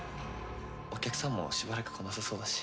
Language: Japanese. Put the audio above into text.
お客さんもしばらく来なさそうだし。